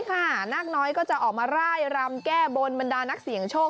ค่ะนาคน้อยก็จะออกมาร่ายรำแก้บนบรรดานักเสี่ยงโชค